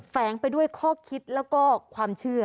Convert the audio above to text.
แฝงไปด้วยข้อคิดแล้วก็ความเชื่อ